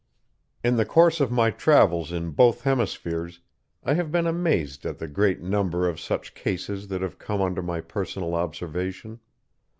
In the course of my travels in both hemispheres I have been amazed at the great number of such cases that have come under my personal observation.